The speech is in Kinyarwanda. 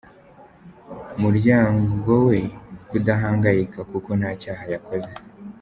muryango we kudahangayika kuko ntacyaha yakoze.